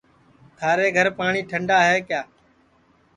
تھارے گھر پاٹؔی ٹھنڈا ہے کیا